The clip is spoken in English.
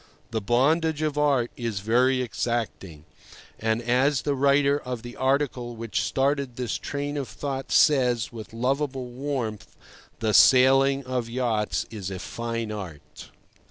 The bondage of art is very exacting. And, as the writer of the article which started this train of thought says with lovable warmth, the sailing of yachts is a fine art.